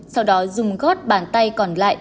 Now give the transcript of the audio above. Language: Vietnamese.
sau đó dùng gót bàn tay còn lại